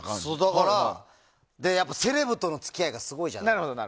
やっぱりセレブとの付き合いがすごいじゃない。